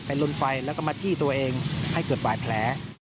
ลุนไฟแล้วก็มาจี้ตัวเองให้เกิดบาดแผล